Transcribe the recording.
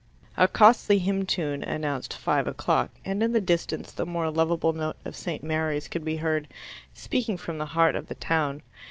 A costly hymn tune announced five o'clock, and in the distance the more lovable note of St. Mary's could be heard, speaking from the heart of the town.